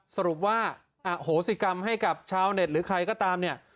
สรุปว่าอโหสิกรรมให้กับชาวเน็ตหรือใครก็ตามเนี่ย